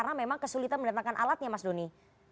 atau mendapatkan alatnya mas duni